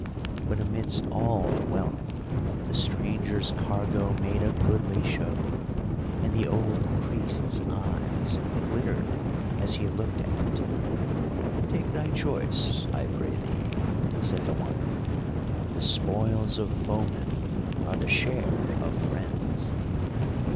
But amidst all the wealth, the stranger's cargo made a goodly show, and the old priest's eyes glittered as he looked at it. "Take thy choice, I pray thee," said the Wanderer, "the spoils of foemen are the share of friends."